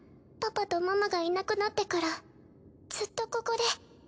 パパとママがいなくなってからずっとここで。